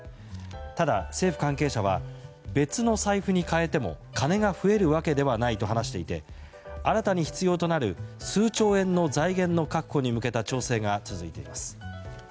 ただ、政府関係者は別の財布に変えても金が増えるわけではないと話していて新たに必要となる数兆円の財源の確保に向けた調整が続いています。